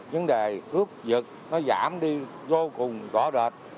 vấn đề cướp giật nó giảm đi vô cùng rõ rệt